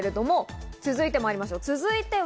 続いてまいりましょう。